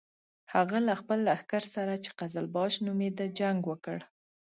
هغه له خپل لښکر سره چې قزلباش نومېده جنګ وکړ.